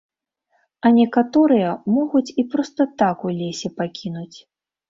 А некаторыя могуць і проста так у лесе пакінуць.